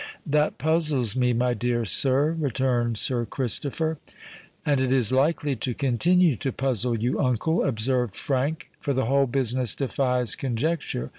"That puzzles me, my dear sir," returned Sir Christopher. "And it is likely to continue to puzzle you, uncle," observed Frank; "for the whole business defies conjecture.